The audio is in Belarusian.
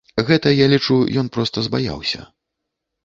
Гэта, я лічу, ён проста збаяўся.